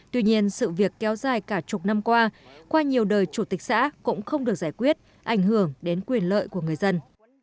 tuy nhiên sự việc kéo dài cả chục năm qua qua nhiều đời chủ tịch xã cũng không được giải quyết ảnh hưởng đến quyền lợi của người dân